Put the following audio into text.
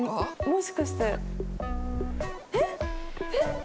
もしかしてえっ？